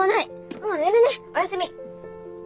もう寝るねおやすみ。